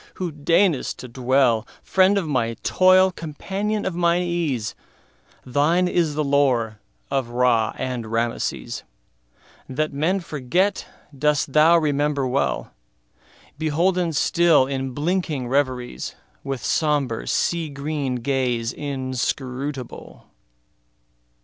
who deign'st to dwellFriend of my toil, companion of mine ease, Thine is the lore of Ra and Rameses; That men forget dost thou remember well, Beholden still in blinking reveriesWith sombre, sea green gaze inscrutable.